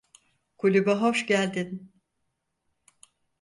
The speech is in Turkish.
Kulübe hoş geldin.